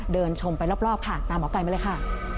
ชมไปรอบค่ะตามหมอไก่มาเลยค่ะ